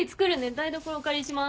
台所お借りします。